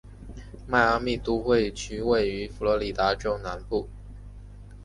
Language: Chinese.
迈阿密都会区位于佛罗里达州南部。